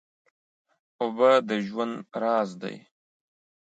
اوبه د ژوند راز دی.